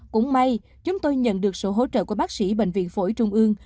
cũng may chúng tôi nhận được sự hỗ trợ của bác sĩ bệnh viện phổi trung ương